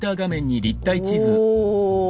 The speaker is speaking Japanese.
お。